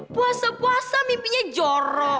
puasa puasa mimpinya jorok